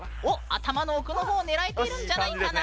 頭の奥のほうを狙えているんじゃないかな。